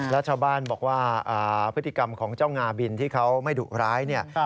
แล้วชาวบ้านบอกว่าพฤติกรรมของเจ้างาบินที่เขาไม่ดุร้ายเนี่ย